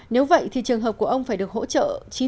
nếu vậy thì trường hợp của ông phải được hỗ trợ chín mươi